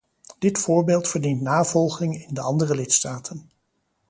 Dit voorbeeld verdient navolging in de andere lidstaten.